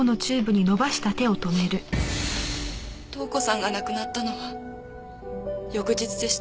塔子さんが亡くなったのは翌日でした。